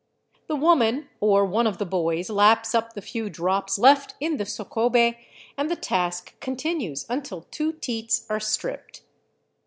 The woman or one of the boys laps up the few drops left in the socobe, and the task continues until two teats are stripped.